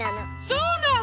そうなの！